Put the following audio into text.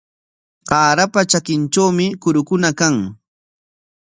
Qaarapa trakintrawmi kurukuna kan.